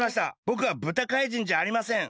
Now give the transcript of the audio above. ぼくは豚怪人じゃありません！